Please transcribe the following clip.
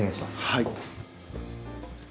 はい。